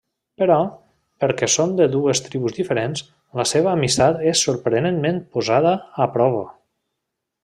Però, perquè són de dues tribus diferents, la seva amistat és sorprenentment posada a prova.